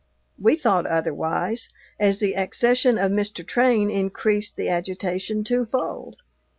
We thought otherwise, as the accession of Mr. Train increased the agitation twofold.